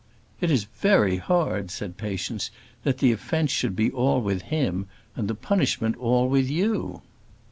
"It is very hard," said Patience, "that the offence should be all with him, and the punishment all with you."